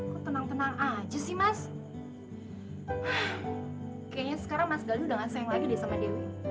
kayaknya sekarang mas gali udah gak sayang lagi deh sama dewi